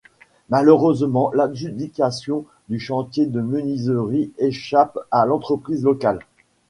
Malheureusement l'adjudication du chantier de menuiserie échappe à l'entreprise locale.